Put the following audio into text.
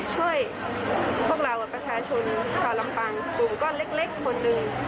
ช่วยพวกเราประชาชนสรรพังกลุ่มก้อนเล็กคนหนึ่ง